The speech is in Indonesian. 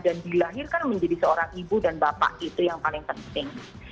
dan dilahirkan menjadi seorang ibu dan bapak itu yang paling penting